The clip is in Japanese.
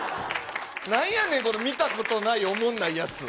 なんやねん、この見たことないおもんないやつ。